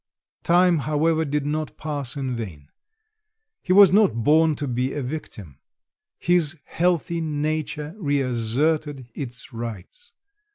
Time, however, did not pass in vain. He was not born to be a victim; his healthy nature reasserted its rights.